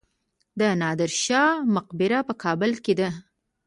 د نادر شاه مقبره په کابل کې ده